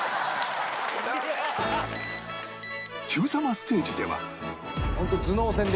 『Ｑ さま！！』ステージでは